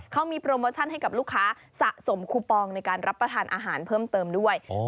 เขามีโปรโมชั่นให้กับลูกค้าสะสมคูปองในการรับประทานอาหารเพิ่มเติมด้วย